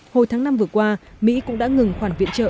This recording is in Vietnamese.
hồi tháng năm vừa qua mỹ cũng đã ngừng khoản viện trợ